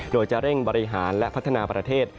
โดยจะเร่งบริหารและพัฒนาประเทศ